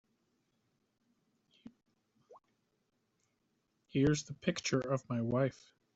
Here's the picture of my wife.